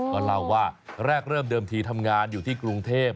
ก็เล่าว่าแรกเริ่มเดิมทีทำงานอยู่ที่กรุงเทพ